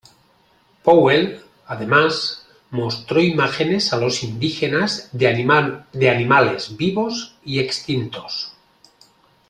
Powell, además, mostró imágenes a los indígenas de animales vivos y extintos.